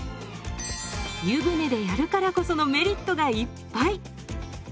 湯船でやるからこそのメリットがいっぱい！